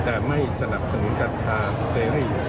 แต่ไม่สนับสนุนกัญชาเสรี